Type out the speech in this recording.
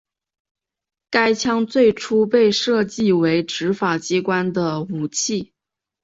该枪最初被设计为执法机关的武器。